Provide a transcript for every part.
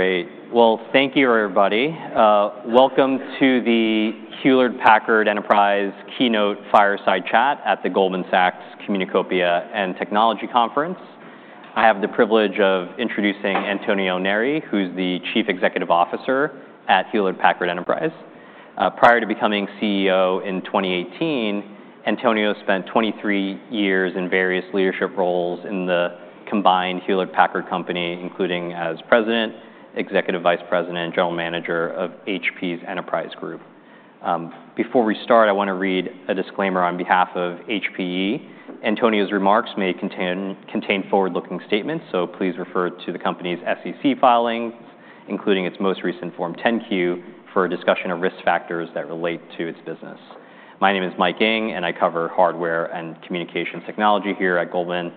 Great. Well, thank you, everybody. Welcome to the Hewlett Packard Enterprise keynote fireside chat at the Goldman Sachs Communacopia and Technology Conference. I have the privilege of introducing Antonio Neri, who's the Chief Executive Officer at Hewlett Packard Enterprise. Prior to becoming CEO in 2018, Antonio spent 23 years in various leadership roles in the combined Hewlett-Packard Company, including as president, executive vice president, and general manager of HP's Enterprise Group. Before we start, I want to read a disclaimer on behalf of HPE. Antonio's remarks may contain forward-looking statements, so please refer to the company's SEC filings, including its most recent Form 10-Q, for a discussion of risk factors that relate to its business. My name is Mike Ng, and I cover hardware and communications technology here at Goldman.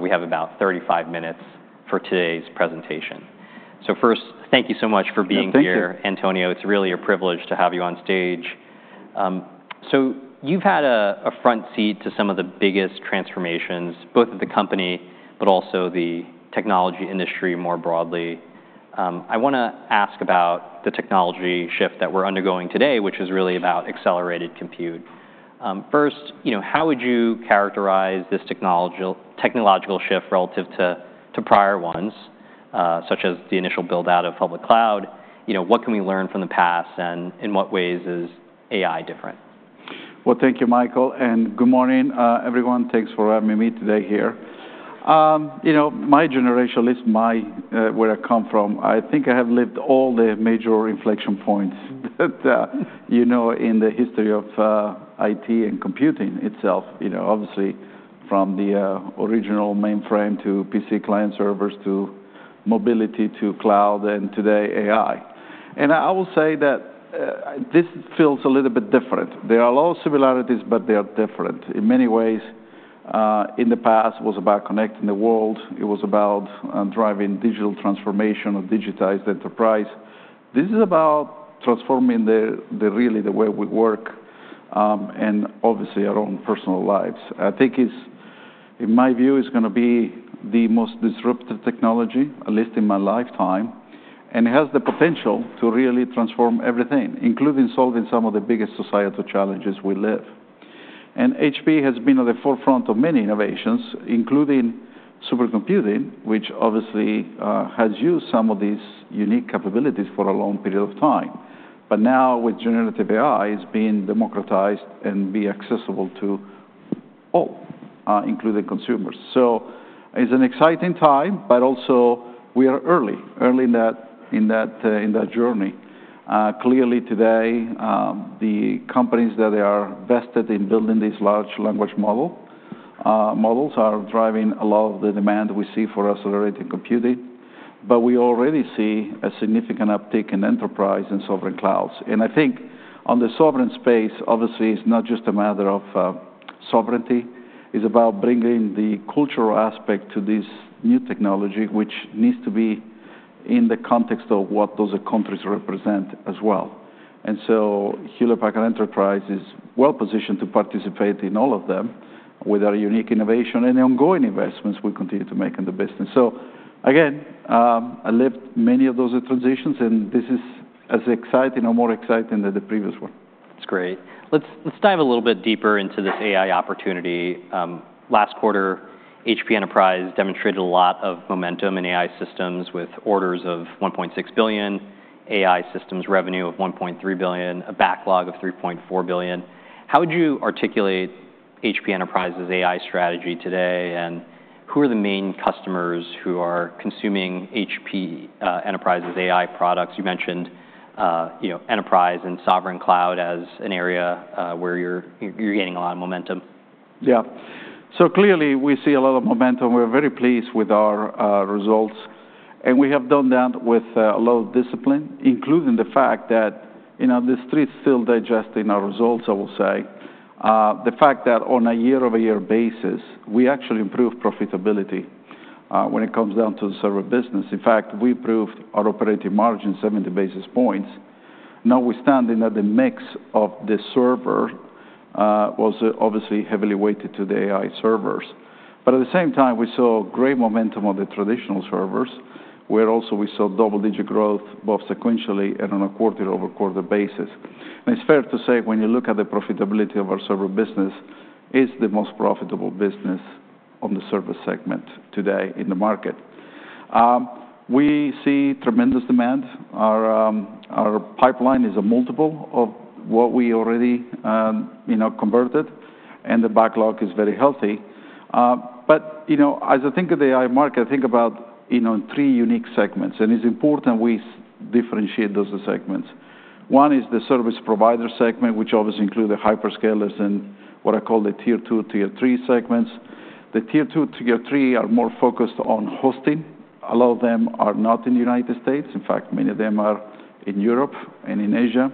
We have about 35 minutes for today's presentation. So first, thank you so much for being here. Yeah. Thank you. Antonio, it's really a privilege to have you on stage. So you've had a front seat to some of the biggest transformations, both of the company, but also the technology industry more broadly. I wanna ask about the technology shift that we're undergoing today, which is really about accelerated compute. First, you know, how would you characterize this technological shift relative to prior ones, such as the initial build-out of public cloud? You know, what can we learn from the past, and in what ways is AI different? Well, thank you, Michael, and good morning, everyone. Thanks for having me today here. You know, my generation is my where I come from. I think I have lived all the major inflection points you know, in the history of IT and computing itself. You know, obviously, from the original mainframe to PC client servers, to mobility, to cloud, and today, AI. And I will say that this feels a little bit different. There are a lot of similarities, but they are different. In many ways, in the past, it was about connecting the world. It was about driving digital transformation or digitized enterprise. This is about transforming the really the way we work and obviously our own personal lives. I think it's, in my view, it's gonna be the most disruptive technology, at least in my lifetime, and it has the potential to really transform everything, including solving some of the biggest societal challenges we live, and HPE has been at the forefront of many innovations, including supercomputing, which obviously has used some of these unique capabilities for a long period of time, but now, with generative AI, it's being democratized and be accessible to all, including consumers, so it's an exciting time, but also we are early in that journey. Clearly, today, the companies that they are invested in building this large language model models are driving a lot of the demand we see for accelerated computing, but we already see a significant uptick in enterprise and sovereign clouds. And I think on the sovereign space, obviously, it's not just a matter of sovereignty. It's about bringing the cultural aspect to this new technology, which needs to be in the context of what those countries represent as well. And so Hewlett Packard Enterprise is well positioned to participate in all of them with our unique innovation and the ongoing investments we continue to make in the business. So again, I lived many of those transitions, and this is as exciting or more exciting than the previous one. That's great. Let's dive a little bit deeper into this AI opportunity. Last quarter, HP Enterprise demonstrated a lot of momentum in AI systems with orders of $1.6 billion, AI systems revenue of $1.3 billion, a backlog of $3.4 billion. How would you articulate HP Enterprise's AI strategy today, and who are the main customers who are consuming HP Enterprise's AI products? You mentioned enterprise and sovereign cloud as an area where you're gaining a lot of momentum. Yeah. So clearly, we see a lot of momentum. We're very pleased with our results, and we have done that with a lot of discipline, including the fact that, you know, The Street's still digesting our results, I will say. The fact that on a year-over-year basis, we actually improved profitability when it comes down to the server business. In fact, we improved our operating margin seventy basis points, notwithstanding that the mix of the server was obviously heavily weighted to the AI servers. But at the same time, we saw great momentum on the traditional servers, where also we saw double-digit growth, both sequentially and on a quarter-over-quarter basis. And it's fair to say, when you look at the profitability of our server business, it's the most profitable business on the server segment today in the market. We see tremendous demand. Our our pipeline is a multiple of what we already, you know, converted, and the backlog is very healthy, but you know, as I think of the AI market, I think about, you know, three unique segments, and it's important we differentiate those segments. One is the service provider segment, which obviously include the hyperscalers and what I call the Tier two, Tier three segments. The Tier two, Tier three are more focused on hosting. A lot of them are not in the United States. In fact, many of them are in Europe and in Asia,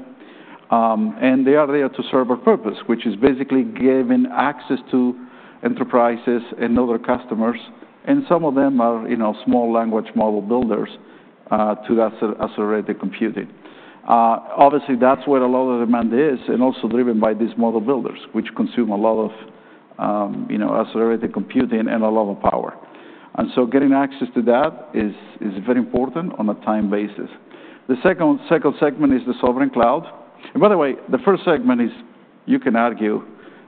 and they are there to serve a purpose, which is basically giving access to enterprises and other customers, and some of them are, you know, small language model builders to accelerated computing. Obviously, that's where a lot of the demand is, and also driven by these model builders, which consume a lot of accelerated computing and a lot of power. And so getting access to that is very important on a time basis. The second segment is the sovereign cloud. And by the way, the first segment is, you can argue,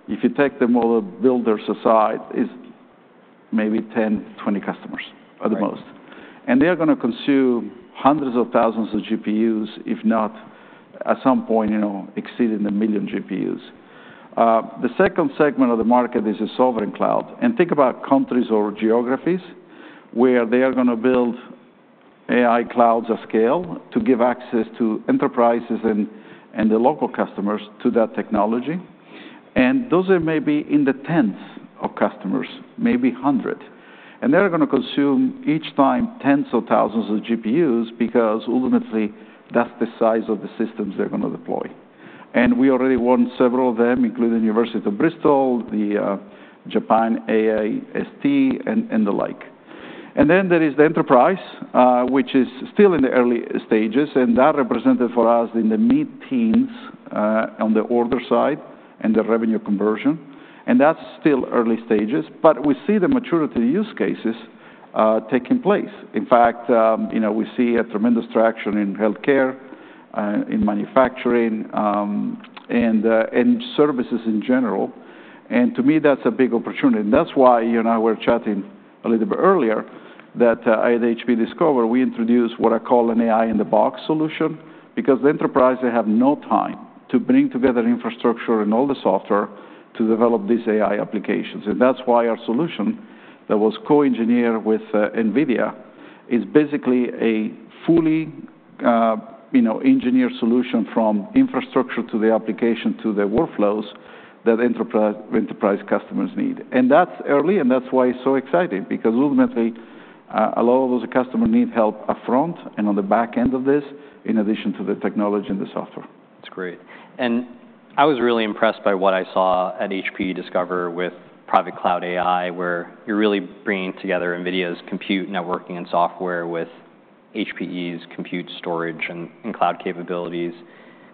if you take the model builders aside, is maybe 10, 20 customers at the most. Right. And they're gonna consume hundreds of thousands of GPUs, if not, at some point, you know, exceeding a million GPUs. The second segment of the market is the sovereign cloud. And think about countries or geographies where they are gonna build AI clouds of scale to give access to enterprises and the local customers to that technology. And those are maybe in the tens of customers, maybe hundred. And they're gonna consume each time, tens of thousands of GPUs, because ultimately, that's the size of the systems they're gonna deploy. And we already won several of them, including University of Bristol, the Japan AIST, and the like. And then there is the enterprise, which is still in the early stages, and that represented for us in the mid-teens, on the order side and the revenue conversion, and that's still early stages. But we see the maturity use cases taking place. In fact, you know, we see a tremendous traction in healthcare, in manufacturing, and services in general. And to me, that's a big opportunity. And that's why, you and I were chatting a little bit earlier, that at HPE Discover, we introduced what I call an AI-in-the-box solution. Because the enterprise, they have no time to bring together infrastructure and all the software to develop these AI applications. And that's why our solution that was co-engineered with NVIDIA is basically a fully you know engineered solution from infrastructure to the application to the workflows that enterprise customers need. And that's early, and that's why it's so exciting, because ultimately, a lot of those customers need help upfront and on the back end of this, in addition to the technology and the software. That's great. And I was really impressed by what I saw at HPE Discover with HPE Private Cloud AI, where you're really bringing together NVIDIA's compute, networking, and software with HPE's compute, storage, and cloud capabilities.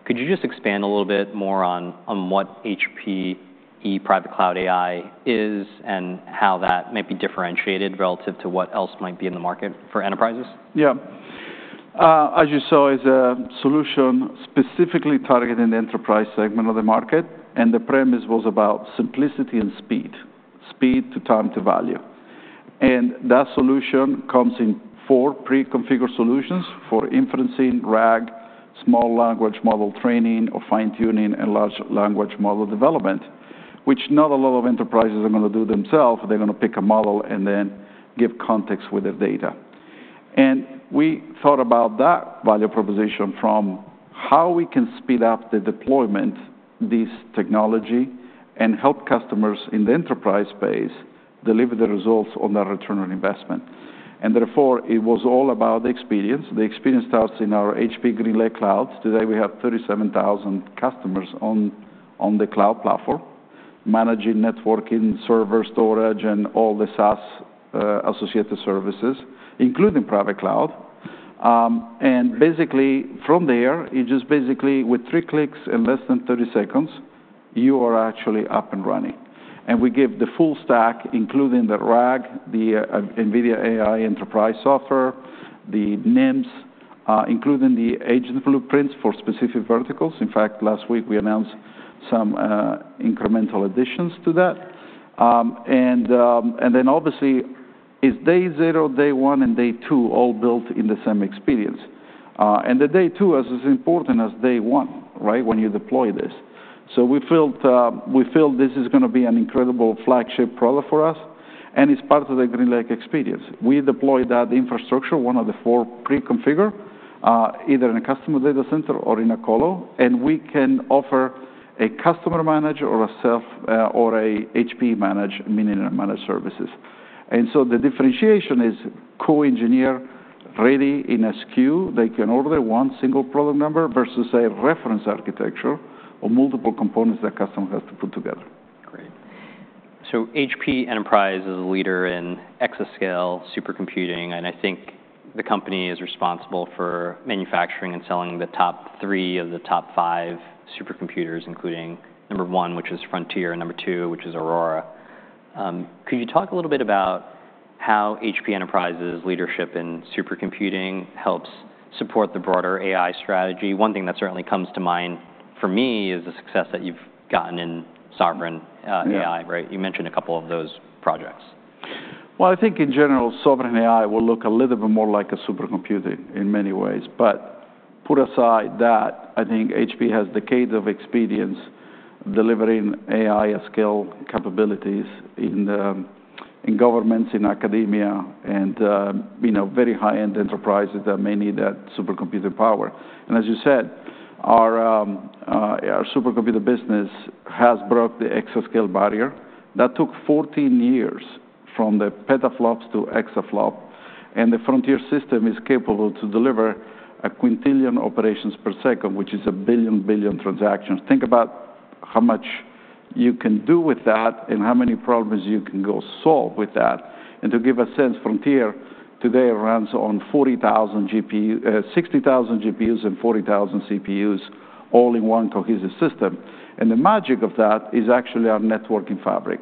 Could you just expand a little bit more on what HPE Private Cloud AI is, and how that might be differentiated relative to what else might be in the market for enterprises? Yeah. As you saw, it's a solution specifically targeted in the enterprise segment of the market, and the premise was about simplicity and speed: speed to time to value. That solution comes in four pre-configured solutions for inferencing, RAG, small language model training or fine-tuning, and large language model development, which not a lot of enterprises are gonna do themselves. They're gonna pick a model and then give context with the data. We thought about that value proposition from how we can speed up the deployment of this technology, and help customers in the enterprise space deliver the results on their return on investment. Therefore, it was all about the experience. The experience starts in our HPE GreenLake cloud. Today, we have 37,000 customers on the cloud platform, managing networking, servers, storage, and all the SaaS associated services, including private cloud. And basically, from there, you just basically, with three clicks in less than thirty seconds, you are actually up and running, and we give the full stack, including the RAG, the NVIDIA AI Enterprise software, the NIMs, including the agent blueprints for specific verticals. In fact, last week, we announced some incremental additions to that, and then obviously, it's day zero, day one, and day two, all built in the same experience, and the day two is as important as day one, right, when you deploy this, so we felt, we feel this is gonna be an incredible flagship product for us, and it's part of the GreenLake experience. We deploy that infrastructure, one of the four pre-configured, either in a customer data center or in a colo, and we can offer a customer managed or a self- or a HPE managed, meaning managed services. So the differentiation is co-engineered ready in a SKU. They can order one single product number versus a reference architecture or multiple components that customer has to put together. Great. So HP Enterprise is a leader in exascale supercomputing, and I think the company is responsible for manufacturing and selling the top three of the top five supercomputers, including number one, which is Frontier, and number two, which is Aurora. Could you talk a little bit about how HP Enterprise's leadership in supercomputing helps support the broader AI strategy? One thing that certainly comes to mind for me is the success that you've gotten in sovereign, Yeah AI, right? You mentioned a couple of those projects. I think in general, sovereign AI will look a little bit more like a supercomputer in many ways. But put aside that, I think HP has decades of experience delivering AI at scale capabilities in governments, in academia, and you know, very high-end enterprises that may need that supercomputing power. And as you said, our supercomputer business has broke the exascale barrier. That took 14 years, from the petaflops to exaflop, and the Frontier system is capable to deliver a quintillion operations per second, which is a billion billion transactions. Think about how much you can do with that and how many problems you can go solve with that. And to give a sense, Frontier today runs on 60,000 GPUs and 40,000 CPUs, all in one cohesive system. The magic of that is actually our networking fabric.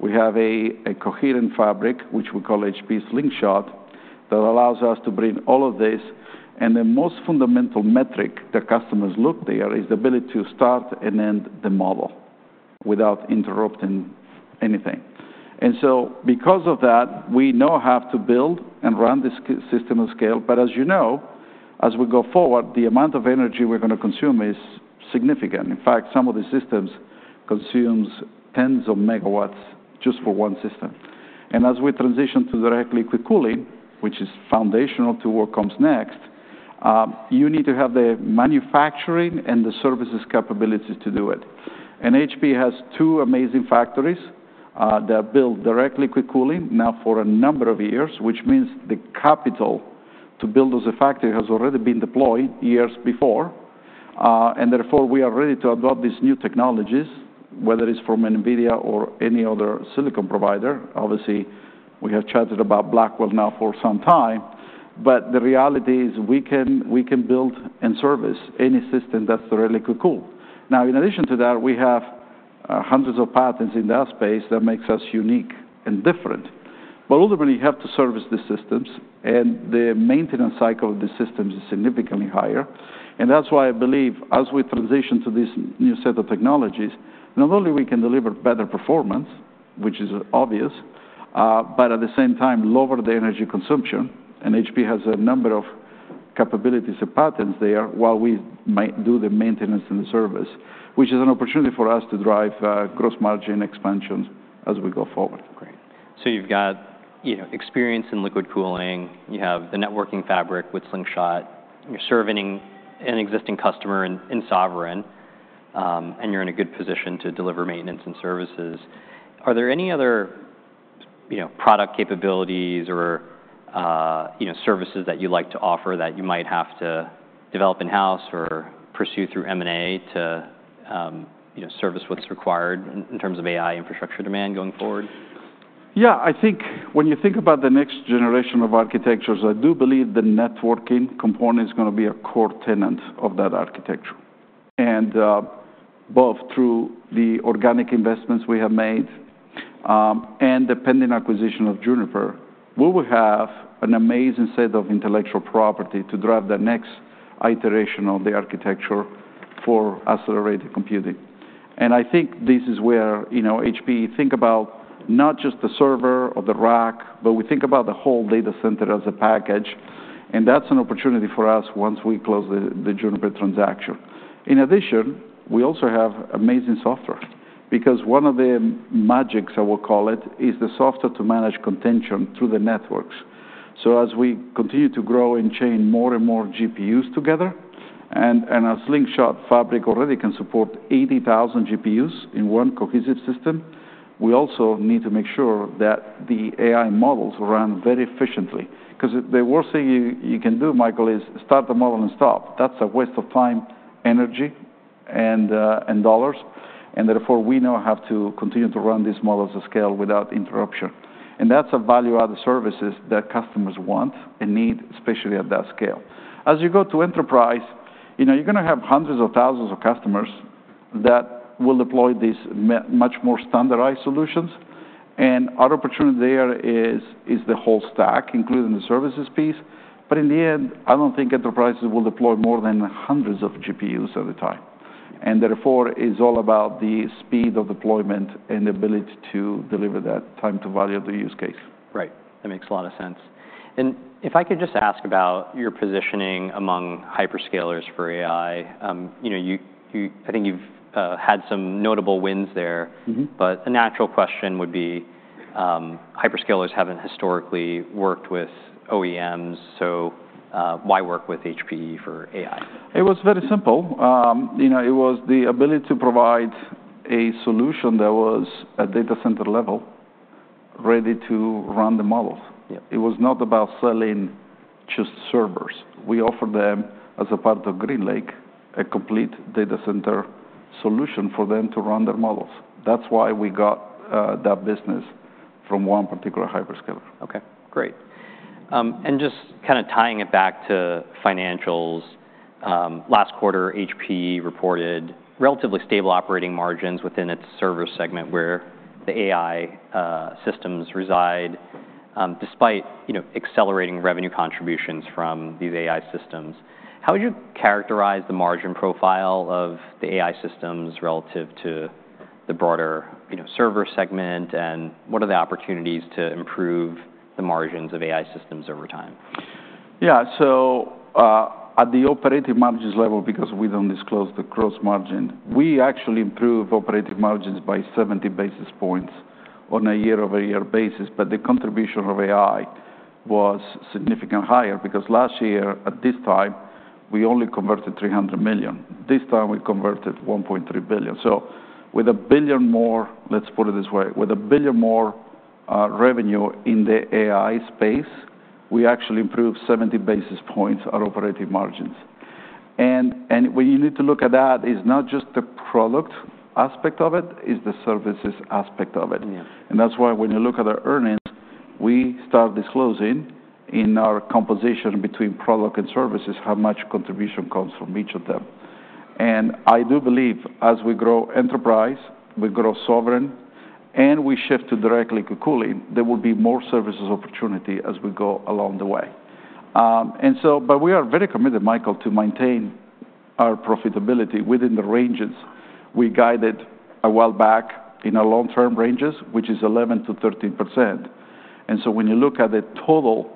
We have a coherent fabric, which we call HPE Slingshot, that allows us to bring all of this. The most fundamental metric that customers look there is the ability to start and end the model without interrupting anything. So because of that, we now have to build and run this AI system of scale. But as you know, as we go forward, the amount of energy we're going to consume is significant. In fact, some of the systems consumes tens of megawatts just for one system. As we transition to direct liquid cooling, which is foundational to what comes next, you need to have the manufacturing and the services capabilities to do it. HPE has two amazing factories that build direct liquid cooling now for a number of years, which means the capital to build those factories has already been deployed years before. Therefore, we are ready to adopt these new technologies, whether it's from NVIDIA or any other silicon provider. Obviously, we have chatted about Blackwell now for some time, but the reality is we can build and service any system that's directly cooled. Now, in addition to that, we have hundreds of patents in that space that makes us unique and different. But ultimately, you have to service the systems, and the maintenance cycle of the systems is significantly higher. That's why I believe, as we transition to this new set of technologies, not only we can deliver better performance, which is obvious, but at the same time, lower the energy consumption. HPE has a number of capabilities and patents there while we do the maintenance and the service, which is an opportunity for us to drive gross margin expansions as we go forward. Great. So you've got, you know, experience in liquid cooling. You have the networking fabric with Slingshot. You're serving an existing customer in, in sovereign, and you're in a good position to deliver maintenance and services. Are there any other, you know, product capabilities or, you know, services that you like to offer that you might have to develop in-house or pursue through M&A to, you know, service what's required in, in terms of AI infrastructure demand going forward? Yeah, I think when you think about the next generation of architectures, I do believe the networking component is going to be a core tenet of that architecture. And both through the organic investments we have made, and the pending acquisition of Juniper, we will have an amazing set of intellectual property to drive the next iteration of the architecture for accelerated computing. And I think this is where, you know, HPE think about not just the server or the rack, but we think about the whole data center as a package, and that's an opportunity for us once we close the Juniper transaction. In addition, we also have amazing software, because one of the magics, I will call it, is the software to manage contention through the networks. So as we continue to grow and chain more and more GPUs together, and, and as Slingshot fabric already can support 80,000 GPUs in one cohesive system, we also need to make sure that the AI models run very efficiently. 'Cause the worst thing you can do, Michael, is start the model and stop. That's a waste of time, energy, and dollars, and therefore, we now have to continue to run these models of scale without interruption. And that's a value-added services that customers want and need, especially at that scale. As you go to enterprise, you know, you're going to have hundreds of thousands of customers that will deploy these much more standardized solutions, and our opportunity there is the whole stack, including the services piece. But in the end, I don't think enterprises will deploy more than hundreds of GPUs at a time, and therefore, it's all about the speed of deployment and the ability to deliver that time to value of the use case. Right. That makes a lot of sense. And if I could just ask about your positioning among hyperscalers for AI. You know, I think you've had some notable wins there. Mm-hmm. But a natural question would be, hyperscalers haven't historically worked with OEMs, so, why work with HPE for AI? It was very simple. You know, it was the ability to provide a solution that was at data center level, ready to run the models. Yeah. It was not about selling just servers. We offered them, as a part of GreenLake, a complete data center solution for them to run their models. That's why we got that business from one particular hyperscaler. Okay, great. And just kind of tying it back to financials, last quarter, HPE reported relatively stable operating margins within its server segment, where the AI systems reside, despite, you know, accelerating revenue contributions from these AI systems. How would you characterize the margin profile of the AI systems relative to the broader, you know, server segment? And what are the opportunities to improve the margins of AI systems over time? Yeah. So, at the operating margins level, because we don't disclose the gross margin, we actually improved operating margins by seventy basis points on a year-over-year basis, but the contribution of AI was significantly higher, because last year, at this time, we only converted $300 million. This time, we converted $1.3 billion. So with $1 billion more... Let's put it this way, with $1 billion more revenue in the AI space, we actually improved seventy basis points on operating margins. And when you need to look at that, it's not just the product aspect of it, it's the services aspect of it. Yeah. That's why when you look at our earnings, we start disclosing in our composition between product and services, how much contribution comes from each of them. And I do believe as we grow enterprise, we grow sovereign, and we shift to direct liquid cooling, there will be more services opportunity as we go along the way. And so but we are very committed, Michael, to maintain our profitability within the ranges we guided a while back in our long-term ranges, which is 11% to 13%. And so when you look at the total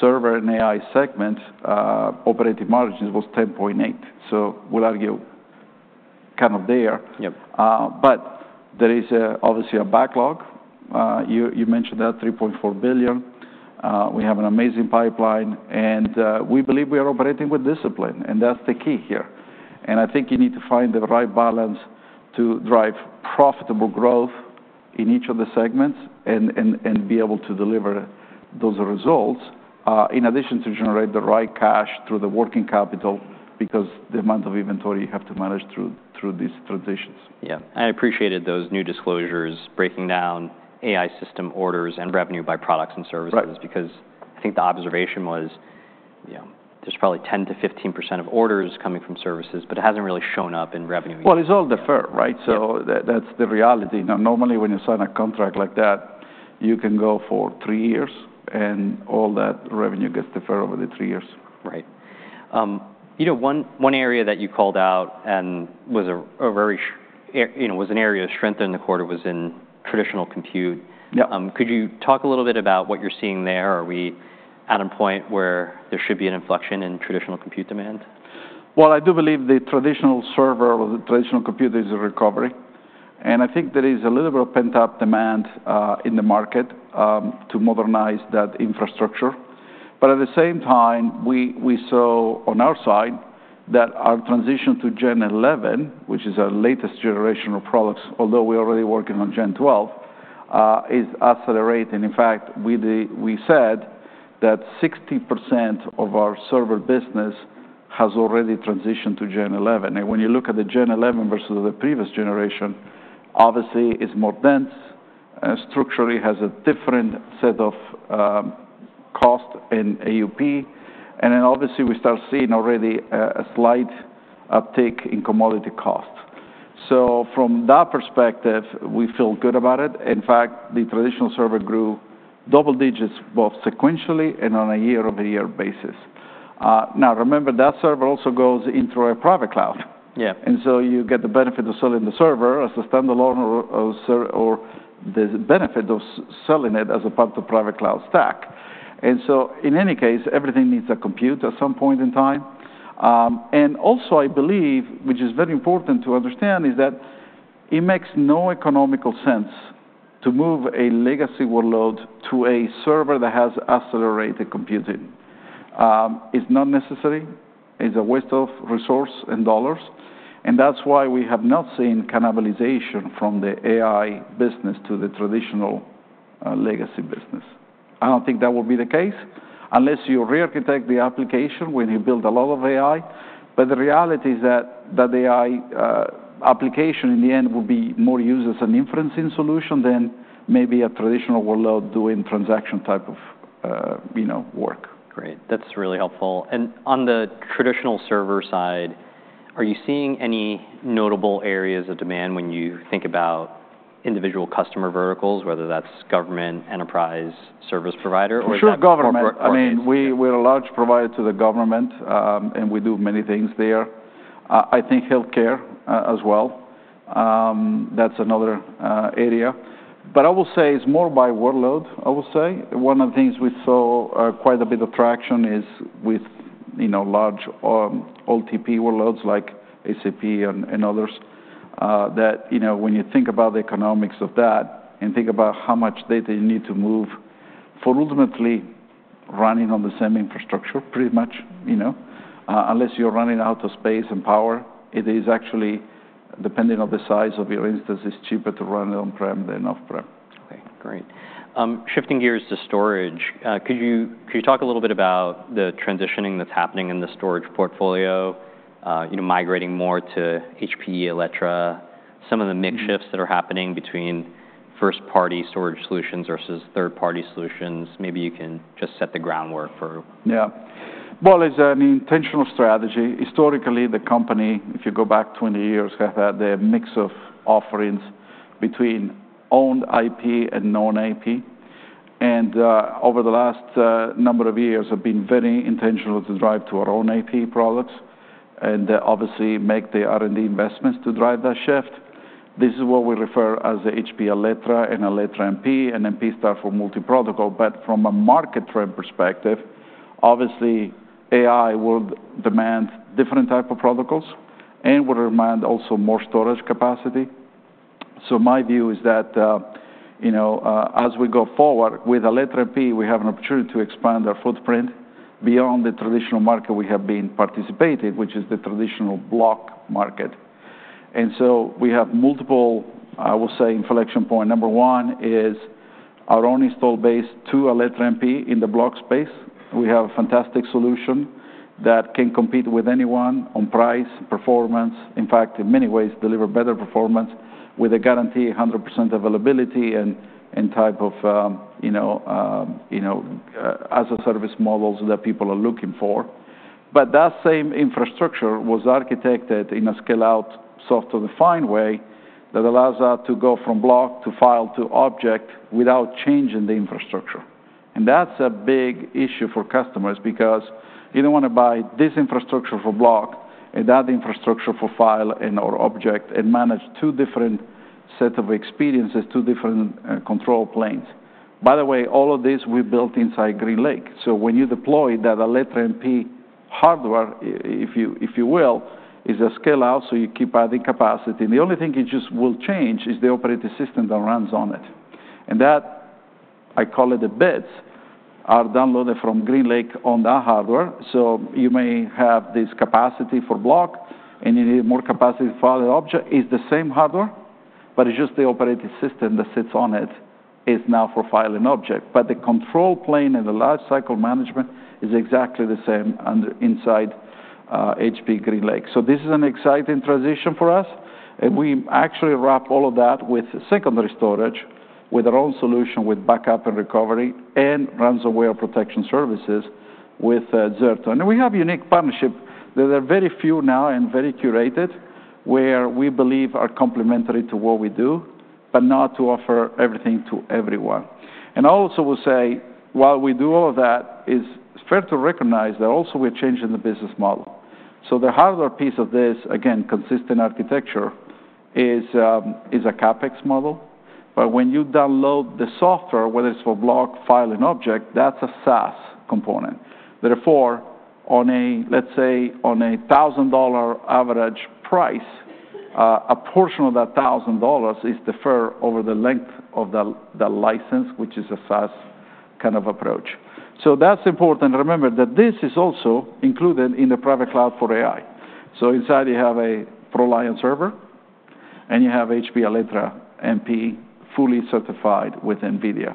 server and AI segment, operating margins was 10.8%. Yep. But there is obviously a backlog. You mentioned that $3.4 billion. We have an amazing pipeline, and we believe we are operating with discipline, and that's the key here. I think you need to find the right balance to drive profitable growth in each of the segments and be able to deliver those results, in addition to generate the right cash through the working capital, because the amount of inventory you have to manage through these transitions. Yeah, I appreciated those new disclosures, breaking down AI system orders and revenue by products and services— Right Because I think the observation was, you know, there's probably 10% to 15% of orders coming from services, but it hasn't really shown up in revenue. It's all deferred, right? Yep. So that, that's the reality. Now, normally, when you sign a contract like that, you can go for three years, and all that revenue gets deferred over the three years. Right. You know, one area that you called out and was a very, you know, was an area of strength in the quarter, was in traditional compute. Yep. Could you talk a little bit about what you're seeing there? Are we at a point where there should be an inflection in traditional compute demand? I do believe the traditional server or the traditional compute is a recovery, and I think there is a little bit of pent-up demand in the market to modernize that infrastructure. But at the same time, we saw on our side that our transition to Gen11, which is our latest generation of products, although we're already working on Gen12, is accelerating. In fact, we said that 60% of our server business has already transitioned to Gen11. And when you look at the Gen11 versus the previous generation, obviously, it's more dense structurally, has a different set of cost and AUP, and then obviously, we start seeing already a slight uptick in commodity costs. So from that perspective, we feel good about it. In fact, the traditional server grew double digits, both sequentially and on a year-over-year basis. Now, remember, that server also goes into our private cloud. Yeah. And so you get the benefit of selling the server as a standalone or the benefit of selling it as a part of the private cloud stack. And so in any case, everything needs a compute at some point in time. And also, I believe, which is very important to understand, is that it makes no economic sense to move a legacy workload to a server that has accelerated computing. It's not necessary. It's a waste of resource and dollars, and that's why we have not seen cannibalization from the AI business to the traditional, legacy business. I don't think that would be the case unless you rearchitect the application when you build a lot of AI. But the reality is that that AI application, in the end, will be more used as an inferencing solution than maybe a traditional workload doing transaction type of, you know, work. Great. That's really helpful and on the traditional server side, are you seeing any notable areas of demand when you think about individual customer verticals, whether that's government, enterprise, service provider or— For sure, government. Corporate. I mean, we're a large provider to the government, and we do many things there. I think healthcare, as well. That's another area. But I will say it's more by workload, I will say. One of the things we saw, quite a bit of traction is with, you know, large IoT workloads like SAP and others, that, you know, when you think about the economics of that and think about how much data you need to move for ultimately running on the same infrastructure, pretty much, you know, unless you're running out of space and power, it is actually, depending on the size of your instance, it's cheaper to run it on-prem than off-prem. Okay, great. Shifting gears to storage, could you talk a little bit about the transitioning that's happening in the storage portfolio, you know, migrating more to HPE Alletra, some of the mix shifts that are happening between first-party storage solutions versus third-party solutions? Maybe you can just set the groundwork for— Yeah. Well, it's an intentional strategy. Historically, the company, if you go back 20 years, have had a mix of offerings between owned IP and non-owned IP, and, over the last, number of years, have been very intentional to drive to our own IP products, and obviously, make the R&D investments to drive that shift. This is what we refer as the HPE Alletra and Alletra MP, and MP stand for multi-protocol. But from a market trend perspective, obviously, AI would demand different type of protocols and would demand also more storage capacity. So my view is that, you know, as we go forward with Alletra MP, we have an opportunity to expand our footprint beyond the traditional market we have been participated, which is the traditional block market. And so we have multiple, I will say, inflection point. Number one is our own install base to Alletra MP in the block space. We have a fantastic solution that can compete with anyone on price, performance, in fact, in many ways, deliver better performance with a guarantee, 100% availability and, and type of, you know, you know, as a service models that people are looking for. But that same infrastructure was architected in a scale-out software-defined way that allows us to go from block, to file, to object without changing the infrastructure. And that's a big issue for customers because you don't want to buy this infrastructure for block and that infrastructure for file and or object, and manage two different set of experiences, two different, control planes. By the way, all of this we built inside GreenLake. So when you deploy that Alletra MP hardware, if you will, is a scale out, so you keep adding capacity. The only thing it just will change is the operating system that runs on it. And that, I call it the bits, are downloaded from GreenLake on that hardware. So you may have this capacity for block, and you need more capacity for file and object. It's the same hardware, but it's just the operating system that sits on it is now for file and object. But the control plane and the life cycle management is exactly the same inside HPE GreenLake. So this is an exciting transition for us, and we actually wrap all of that with secondary storage, with our own solution, with backup and recovery, and ransomware protection services with Zerto. And we have unique partnership. There are very few now and very curated, where we believe are complementary to what we do, but not to offer everything to everyone, and also, we'll say, while we do all of that, it's fair to recognize that also we're changing the business model, so the hardware piece of this, again, consistent architecture, is a CapEx model, but when you download the software, whether it's for block, file, and object, that's a SaaS component. Therefore, on a, let's say, on a $1,000 average price, a portion of that $1,000 is deferred over the length of the license, which is a SaaS kind of approach, so that's important. Remember that this is also included in the private cloud for AI, so inside you have a ProLiant server, and you have HPE Alletra MP, fully certified with NVIDIA.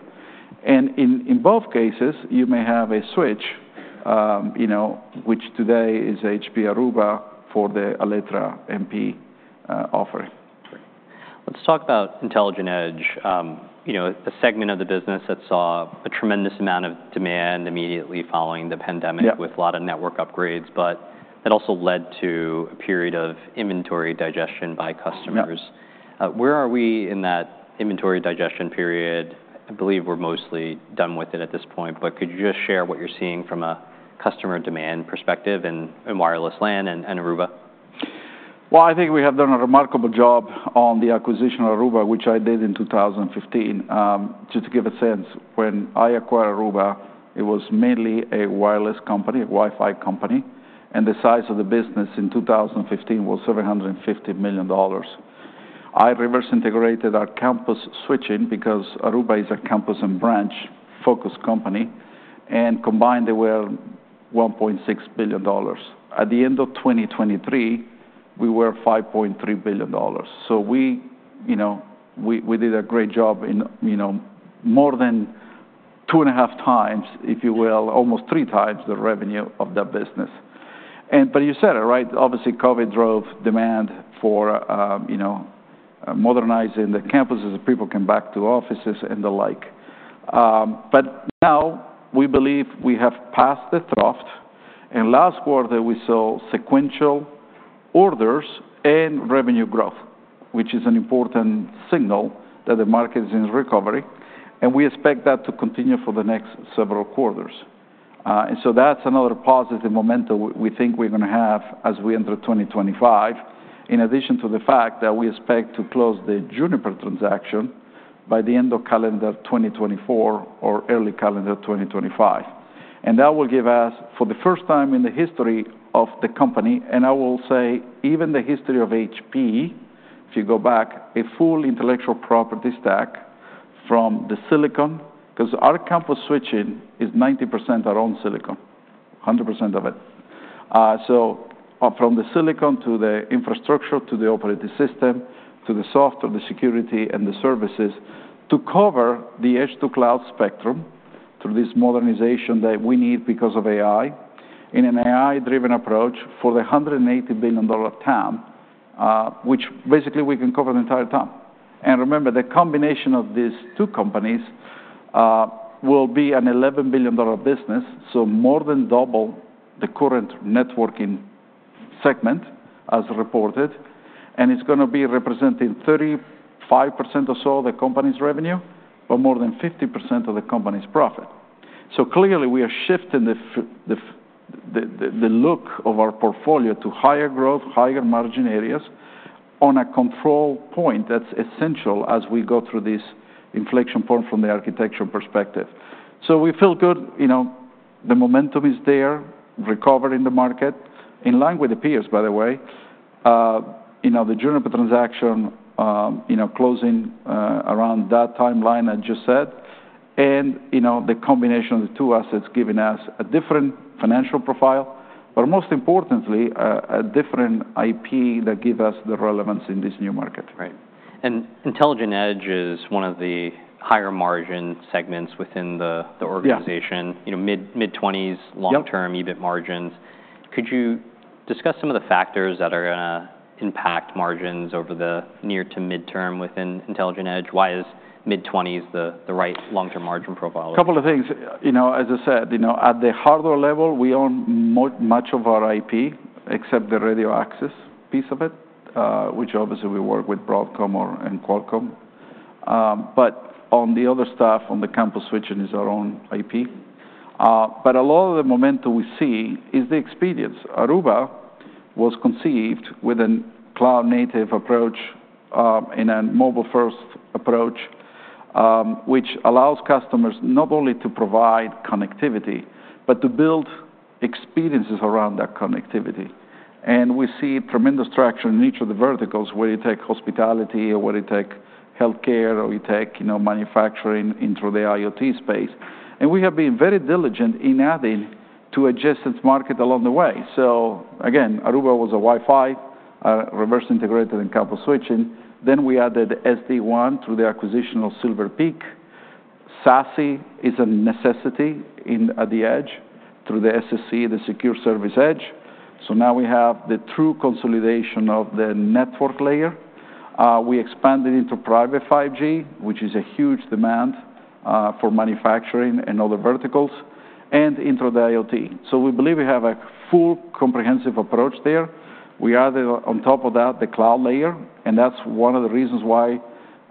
In both cases, you may have a switch, you know, which today is HPE Aruba for the Alletra MP offering. Let's talk about Intelligent Edge. You know, a segment of the business that saw a tremendous amount of demand immediately following the pandemic. Yeah With a lot of network upgrades, but it also led to a period of inventory digestion by customers. Yeah. Where are we in that inventory digestion period? I believe we're mostly done with it at this point, but could you just share what you're seeing from a customer demand perspective in wireless LAN and Aruba? I think we have done a remarkable job on the acquisition of Aruba, which I did in 2015. Just to give a sense, when I acquired Aruba, it was mainly a wireless company, a Wi-Fi company, and the size of the business in 2015 was $750 million. I reverse integrated our campus switching because Aruba is a campus and branch-focused company, and combined, they were $1.6 billion. At the end of 2023, we were $5.3 billion. So we, you know, we, we did a great job in, you know, more than two and a half times, if you will, almost three times the revenue of that business. And but you said it, right? Obviously, COVID drove demand for, you know, modernizing the campuses as people came back to offices and the like. But now we believe we have passed the trough. In last quarter, we saw sequential orders and revenue growth, which is an important signal that the market is in recovery, and we expect that to continue for the next several quarters. And so that's another positive momentum we think we're going to have as we enter 2025, in addition to the fact that we expect to close the Juniper transaction by the end of calendar 2024 or early calendar 2025. And that will give us, for the first time in the history of the company, and I will say even the history of HP, if you go back, a full intellectual property stack from the silicon... Because our campus switching is 90% our own silicon, 100% of it. So, from the silicon, to the infrastructure, to the operating system, to the software, the security, and the services, to cover the edge-to-cloud spectrum through this modernization that we need because of AI, in an AI-driven approach for the $180 billion TAM, which basically we can cover the entire TAM. Remember, the combination of these two companies will be an $11 billion business, so more than double the current networking segment, as reported. It's gonna be representing 35% or so of the company's revenue, but more than 50% of the company's profit. So clearly, we are shifting the look of our portfolio to higher growth, higher margin areas on a control point that's essential as we go through this inflection point from the architectural perspective. So we feel good. You know, the momentum is there, recovery in the market, in line with the peers, by the way. You know, the Juniper transaction, you know, closing around that timeline, I just said, and, you know, the combination of the two assets giving us a different financial profile, but most importantly, a different IP that give us the relevance in this new market. Right, and Intelligent Edge is one of the higher margin segments within the organization— Yeah. you know, mid-twenties. Yep. Long-term EBIT margins. Could you discuss some of the factors that are gonna impact margins over the near to midterm within Intelligent Edge? Why is mid-twenties the right long-term margin profile? A couple of things. You know, as I said, you know, at the hardware level, we own much of our IP, except the radio access piece of it, which obviously we work with Broadcom or Qualcomm. But on the other stuff, on the campus switching, is our own IP. But a lot of the momentum we see is the experience. Aruba was conceived with a cloud-native approach, and a mobile-first approach, which allows customers not only to provide connectivity, but to build experiences around that connectivity. And we see tremendous traction in each of the verticals, whether you take hospitality or whether you take healthcare, or you take, you know, manufacturing into the IoT space. And we have been very diligent in adding to adjacent market along the way. So again, Aruba was a Wi-Fi reverse integrated and campus switching. Then we added SD-WAN through the acquisition of Silver Peak. SASE is a necessity in at the edge through the SSE, the Security Service Edge. So now we have the true consolidation of the network layer. We expanded into private 5G, which is a huge demand for manufacturing and other verticals, and into the IoT. So we believe we have a full, comprehensive approach there. We added on top of that, the cloud layer, and that's one of the reasons why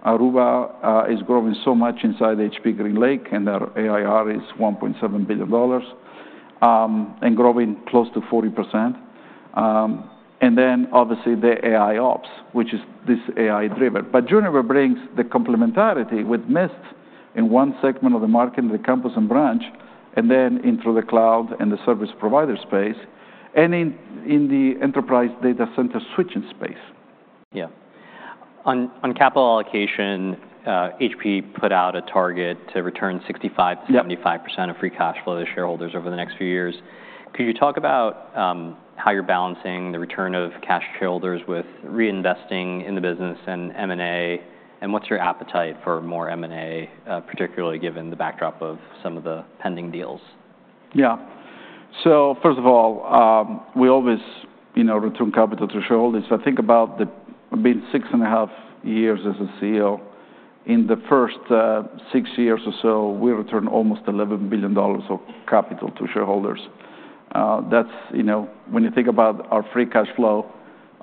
Aruba is growing so much inside HPE GreenLake, and our ARR is $1.7 billion and growing close to 40%. And then obviously, the AIOps, which is this AI-driven. But Juniper brings the complementarity with Mist in one segment of the market, in the campus and branch, and then into the cloud and the service provider space, and in the enterprise data center switching space. Yeah. On capital allocation, HP put out a target to return sixty-five— Yep To 75% of free cash flow to shareholders over the next few years. Could you talk about how you're balancing the return of cash to shareholders with reinvesting in the business and M&A, and what's your appetite for more M&A, particularly given the backdrop of some of the pending deals? Yeah. So first of all, we always, you know, return capital to shareholders. So I think about it. I've been six and a half years as a CEO. In the first six years or so, we returned almost $11 billion of capital to shareholders. That's, you know, when you think about our free cash flow,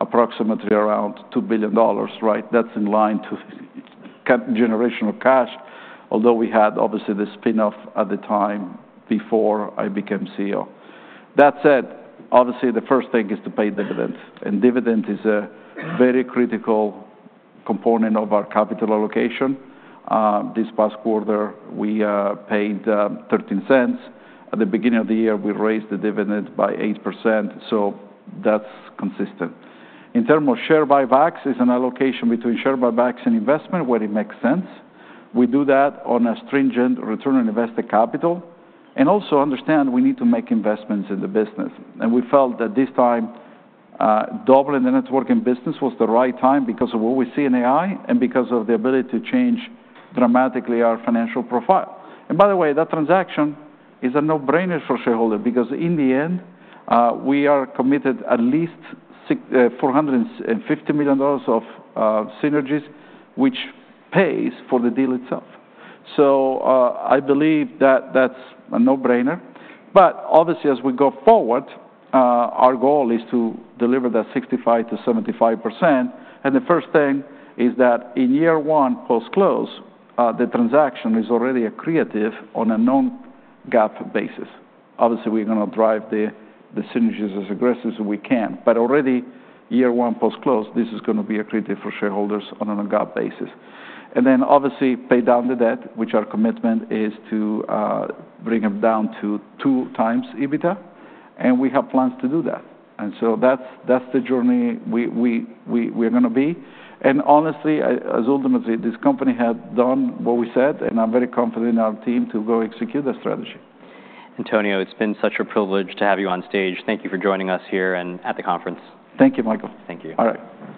approximately around $2 billion, right? That's in line with cash generation, although we had obviously the spin-off at the time before I became CEO. That said, obviously, the first thing is to pay dividends, and dividend is a very critical component of our capital allocation. This past quarter, we paid $0.13. At the beginning of the year, we raised the dividend by 8%, so that's consistent. In terms of share buybacks, it is an allocation between share buybacks and investment, where it makes sense. We do that on a stringent return on invested capital, and also understand we need to make investments in the business. And we felt that this time, doubling the networking business was the right time because of what we see in AI and because of the ability to change dramatically our financial profile. And by the way, that transaction is a no-brainer for shareholder, because in the end, we are committed at least $450 million of synergies, which pays for the deal itself. So, I believe that that's a no-brainer. But obviously, as we go forward, our goal is to deliver that 65% to 75%, and the first thing is that in year one post-close, the transaction is already accretive on a non-GAAP basis. Obviously, we're gonna drive the synergies as aggressive as we can. But already, year one post-close, this is gonna be accretive for shareholders on a non-GAAP basis. And then obviously, pay down the debt, which our commitment is to bring them down to two times EBITDA, and we have plans to do that. And so that's the journey we're gonna be. And honestly, ultimately, this company has done what we said, and I'm very confident in our team to go execute that strategy. Antonio, it's been such a privilege to have you on stage. Thank you for joining us here and at the conference. Thank you, Michael. Thank you. All right.